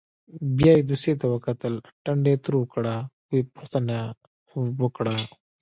بیا یې دوسیې ته وکتل ټنډه یې تروه کړه او پوښتنه یې وکړه.